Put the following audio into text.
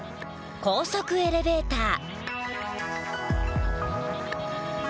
高速エレベーター。